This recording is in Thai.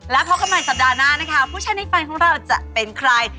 แล้วพบกันใหม่สัปดาห์หน้านะคะผู้ชายในฝันของเราจะเป็นใคร